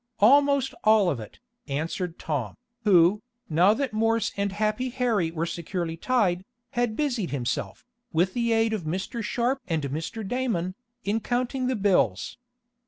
"Almost all of it," answered Tom, who, now that Morse and Happy Harry were securely tied, had busied himself, with the aid of Mr. Sharp and Mr. Damon, in counting the bills.